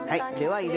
はい。